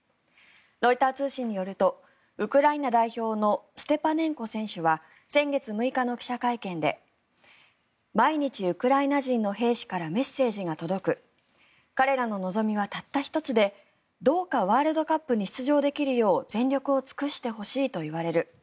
ロイター通信によるとウクライナ代表のステパネンコ選手は先月６日の記者会見で毎日ウクライナ人の兵士からメッセージが届く彼らの望みはたった１つでどうかワールドカップに出場できるよう全力を尽くしてほしいと言われる。